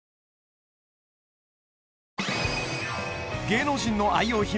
芸能人の愛用品